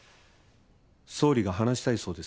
「総理が話したいそうです」